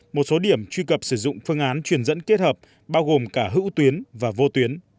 một số điểm truy cập sử dụng phương án truyền dẫn kết hợp bao gồm cả hữu tuyến và vô tuyến